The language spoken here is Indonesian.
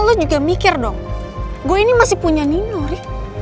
lo juga mikir dong gue ini masih punya ninur